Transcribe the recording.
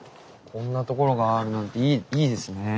こんな所があるなんていいですね。